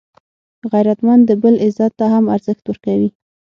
غیرتمند د بل عزت ته هم ارزښت ورکوي